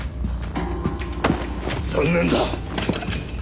残念だ。